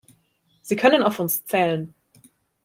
Sie können auf uns zählen.